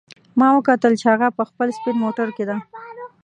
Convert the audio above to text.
ما وکتل چې هغه په خپل سپین موټر کې ده